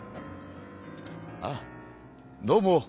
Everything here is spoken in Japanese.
あどうも。